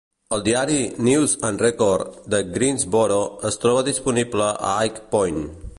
El diari "News and Record" de Greensboro es troba disponible a High Point.